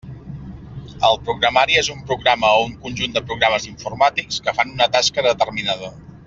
El programari és un programa o un conjunt de programes informàtics que fan una tasca determinada.